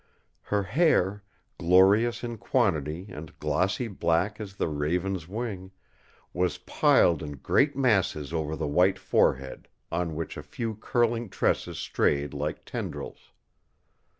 Her hair, glorious in quantity and glossy black as the raven's wing, was piled in great masses over the white forehead, on which a few curling tresses strayed like tendrils.